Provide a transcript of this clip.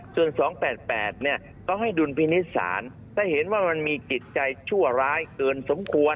ส่วน๒๘๘เนี่ยก็ให้ดุลพินิษฐ์ศาลถ้าเห็นว่ามันมีจิตใจชั่วร้ายเกินสมควร